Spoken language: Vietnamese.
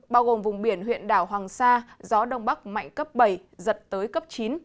bao gồm vùng biển huyện đảo hoàng sa gió đông bắc mạnh cấp bảy giật tới cấp chín